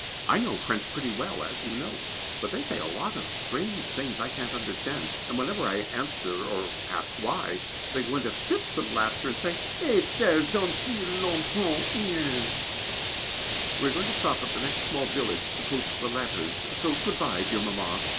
I know French pretty well as you know, but they say a lot of strange things I can't understand, and whenever I answer or ask why, they go into fits of laughter and say, "Est elle gentille l'enfant! hein!" We are going to stop at the next small village to post the letters, so good bye, dear Mamma.